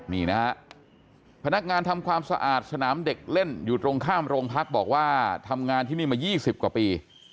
นี่นะฮะพนักงานทำความสะอาดสนามเด็กเล่นอยู่ตรงข้ามโรงพักบอกว่าทำงานที่นี่มา๒๐กว่าปี